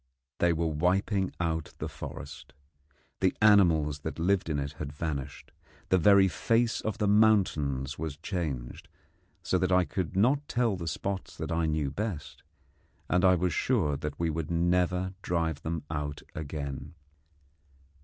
They were wiping out the forest: the animals that lived in it had vanished: the very face of the mountains was changed, so that I could not tell the spots that I knew best; and I was sure that we could never drive them out again.